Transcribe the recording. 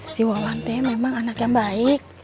si wawan teh memang anak yang baik